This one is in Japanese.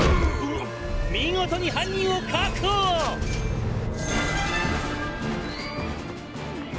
「見事に犯人を確保ぉ！」